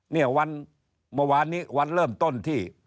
เมื่อวานนี้วันเริ่มต้นที่